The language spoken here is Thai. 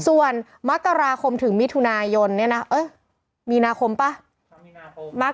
ส่วนมกราคมถึงมิถุนายนเนี่ยนะเอ้ยมีนาคมป่ะมีนาคม